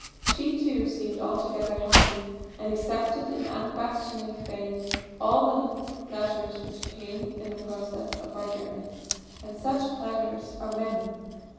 She, too, seemed altogether happy, and accepted in unquestioning faith all the little pleasures which came in the progress of our journey. And such pleasures are many.